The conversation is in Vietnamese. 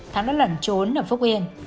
thắng đã lẩn trốn ở phúc yên